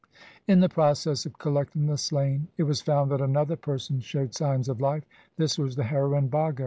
In the process of collecting the slain it was found that another person showed signs of life. This was the heroine Bhago.